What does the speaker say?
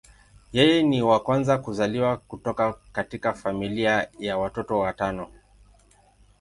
Yeye ni wa kwanza kuzaliwa kutoka katika familia ya watoto watano.